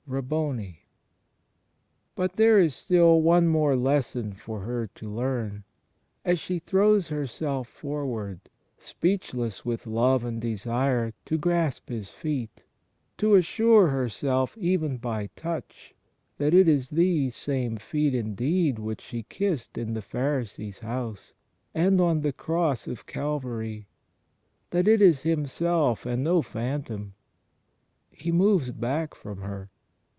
"Rabboni!" But there is still one more lesson for her to learn. As she throws herself forward, speechless with love and desire, to grasp His Feet — to assure herself even by touch that it is these same feet indeed which she kissed in the Pharisee's house, and on the Cross of Calvary — that it is Himself, and no phantom — He moves back from her.